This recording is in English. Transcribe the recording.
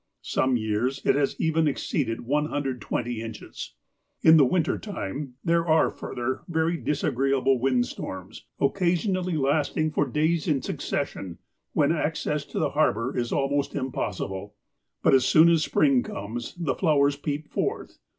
Some years it has even exceeded 120 inches. In the winter time, there are, fur ther, very disagreeable wind storms, occasionally lasting for days in succession, when access to the harbour is almost impossible. But as soon as spring comes, the flowers peep forth.